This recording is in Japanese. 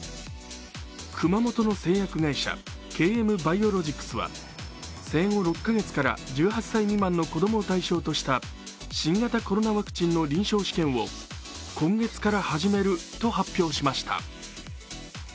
熊本の製薬会社ＫＭバイオロジクスは生後６カ月から１８歳未満の子供を対象とした新型コロナワクチンの臨床試験を今月から始めると発表しました。